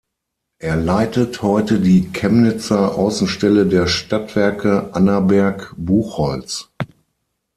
Er leitet heute die Chemnitzer Außenstelle der Stadtwerke Annaberg-Buchholz.